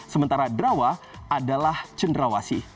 sementara drawa adalah cendrawasi